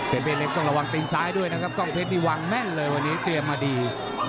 เป็นเพศเล็กต้องระวังตีนซ้ายด้วยนะครับกล้องเพชรนี่วางแม่นเลยวันนี้เตรียมมาดี